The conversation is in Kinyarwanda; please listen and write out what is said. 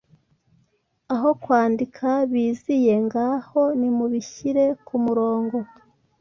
Aho kwandika biziye ngaho nimubishyire kumurongo.